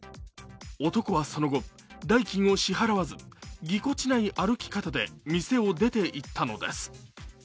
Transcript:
男はその後、代金を支払わずぎこちない歩き方で店を出ていったのです。